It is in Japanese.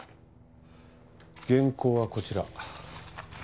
原稿はこちら。